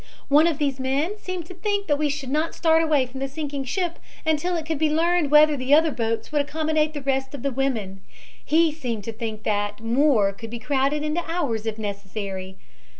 "One of these men seemed to think that we should not start away from the sinking ship until it could be learned whether the other boats would accommodate the rest of the women. He seemed to think that; more could be crowded into ours, if necessary.